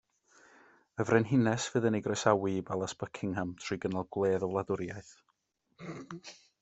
Y Frenhines fydd yn ei groesawu i Balas Buckingham trwy gynnal gwledd y wladwriaeth.